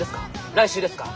来週ですか？